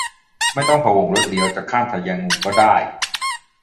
ไม่ต้องพะวงรถเลี้ยว จะข้ามทแยงมุมก็ได้